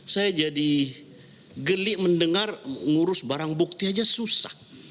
saya jadi gelik mendengar ngurus barang bukti saja susah